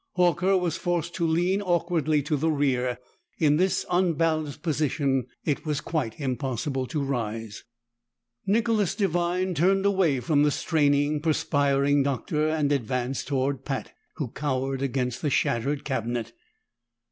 Horker was forced to lean awkwardly to the rear; in this unbalanced position it was quite impossible to rise. Nicholas Devine turned away from the straining, perspiring Doctor, and advanced toward Pat, who cowered against the shattered cabinet.